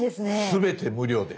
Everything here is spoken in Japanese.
すべて無料です。